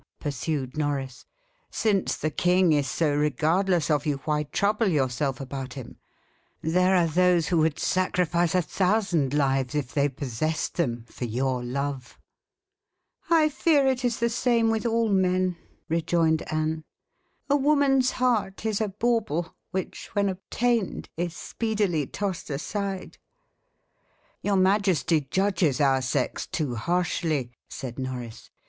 pursued Norris, "since the king is so regardless of you, why trouble yourself about him? There are those who would sacrifice a thousand lives, if they possessed them, for your love." "I fear it is the same with all men," rejoined Anne. "A woman's heart is a bauble which, when obtained, is speedily tossed aside." "Your majesty judges our sex too harshly," said Norris.